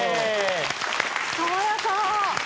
爽やか！